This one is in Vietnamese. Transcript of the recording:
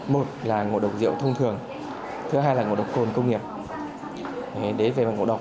một là ngộ độc rượu thông thường thứ hai là ngộ độc cồn công nghiệp